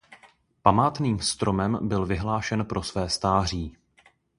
Památným stromem byl vyhlášen pro své stáří.